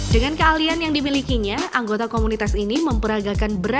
dengan kealian yang dimilikinya anggota komunitas ini memperagakan perusahaan yang berbeda